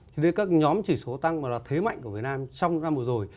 thì đây các nhóm chỉ số tăng mà là thế mạnh của việt nam trong năm vừa rồi